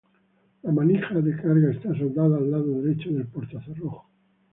La manija de carga está soldada al lado derecho del portacerrojo.